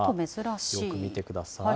よく見てください。